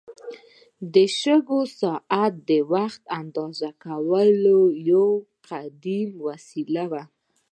د شګو ساعت د وخت اندازه کولو یو قدیم وسیله وه.